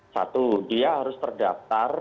satu dia harus terdaftar